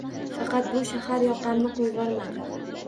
Faqat bu shahar yoqamni qo’yvormadi.